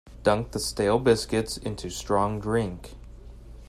Dunk the stale biscuits into strong drink.